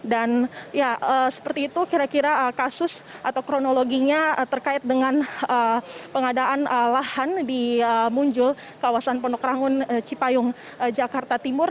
dan seperti itu kira kira kasus atau kronologinya terkait dengan pengadaan lahan di muncul kawasan ponok rangun cipayung jakarta timur